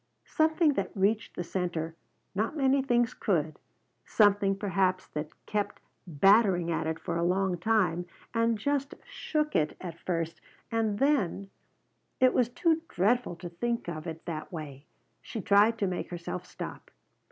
Something that reached the center; not many things could; something, perhaps, that kept battering at it for a long time, and just shook it at first, and then It was too dreadful to think of it that way. She tried to make herself stop.